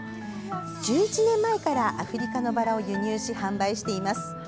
１１年前から、アフリカのバラを輸入し、販売しています。